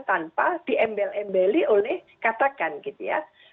tanpa diembel embeli oleh katakan gitu ya